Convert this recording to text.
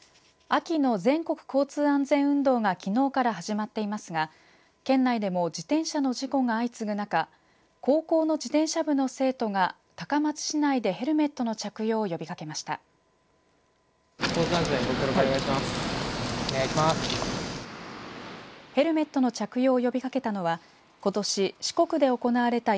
秋の全国交通安全運動がきのうから始まっていますが県内でも自転車の事故が相次ぐ中高校の自転車部の生徒が高松市内でヘルメットの着用を呼びかけました。